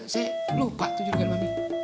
saya lupa tuh julukan mami